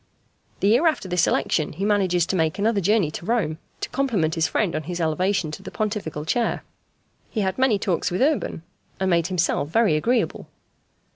The year after this election he manages to make another journey to Rome to compliment his friend on his elevation to the Pontifical chair. He had many talks with Urban, and made himself very agreeable.